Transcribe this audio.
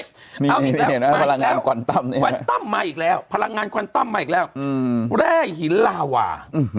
เอาอีกแล้วมาควันตั้มมาอีกแล้วพลังงานควันตั้มมาอีกแล้วแร่หินลาวา